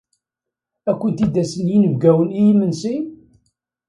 Ad kent-id-asen yinebgiwen i yimensi?